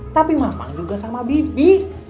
tapi mampang juga sama bibi